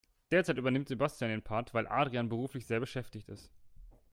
Derzeit übernimmt Sebastian den Part, weil Adrian beruflich sehr beschäftigt ist.